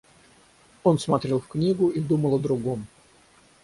Он смотрел в книгу и думал о другом.